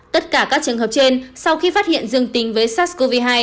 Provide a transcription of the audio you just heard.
tất cả các trường hợp trên sau khi phát hiện dương tính với sars cov hai